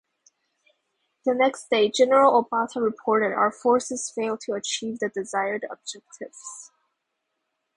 The next day, General Obata reported, our forces failed to achieve the desired objectives.